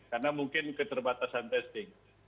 karena mungkin keterbatasan testing